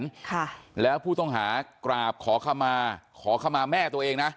ค่ะแล้วผู้ต้องหากราบขอขมาขอขมาแม่ตัวเองนะ